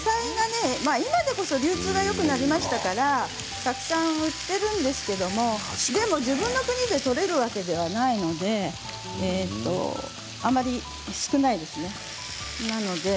今は流通がよくなりましたからたくさん売っているんですけれど自分の国で取れるわけではないので少ないですね。